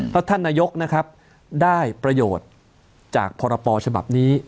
แล้วท่านนายกนะครับได้ประโยชน์จากพรปฉบับนี้